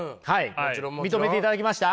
もちろんもちろん。認めていただきました？